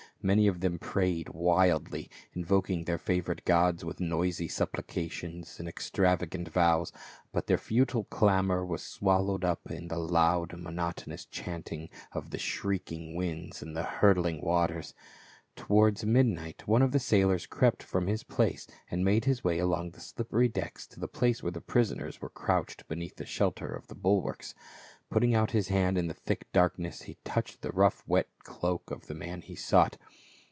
Many of them prayed wildly, invoking their favorite gods with noisy supplications and extravagant vows, but their futile clamor was swallowed up in the loud monotonous chanting of the shrieking winds and hurtling waters. Towards midnight, one of the sailors crept from his place and made his way along the slippery decks to the place where the prisoners were crouched beneath the shelter of the bulwarks. Putting out his hand in the thick darkness he touched the rough wet cloak of the man he sought.